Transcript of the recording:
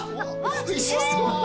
おいしそう！